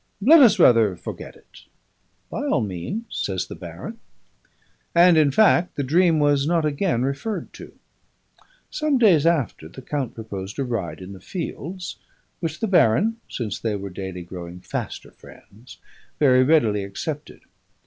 Let us rather forget it.' 'By all means,' says the baron. And (in fact) the dream was not again referred to. Some days after, the count proposed a ride in the fields, which the baron (since they were daily growing faster friends) very readily accepted.